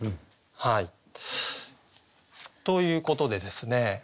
ということでですね